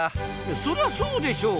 そりゃそうでしょう。